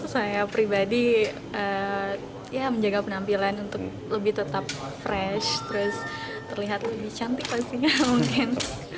saya pribadi ya menjaga penampilan untuk lebih tetap fresh terus terlihat lebih cantik pastinya mungkin